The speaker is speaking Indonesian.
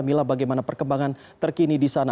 mila bagaimana perkembangan terkini di sana